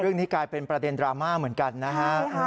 เรื่องนี้กลายเป็นประเด็นดราม่าเหมือนกันนะฮะ